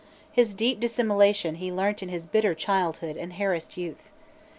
His deep dissimulation he learnt in his bitter childhood and harassed youth.